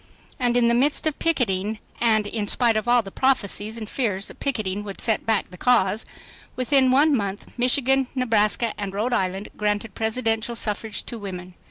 And in the midst of picketing ands in spite of all the prophecies and fears that "picketing" would "set back the cause," within one month, Michigan, Nebraska and Rhode Island granted Presidential suffrage to women.